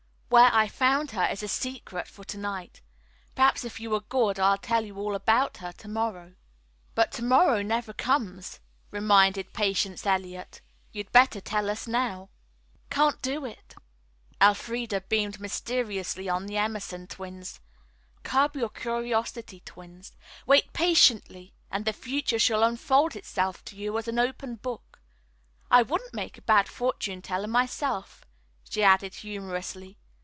Where I found her is a secret for to night. Perhaps if you are good, I'll tell you all about her to morrow." "But to morrow never comes," reminded Patience Eliot. "You'd better tell us now." "Can't do it." Elfreda beamed mysteriously on the Emerson twins. "Curb your curiosity, twins. Wait patiently and the future shall unfold itself to you as an open book. I wouldn't make a bad fortune teller myself," she added humorously.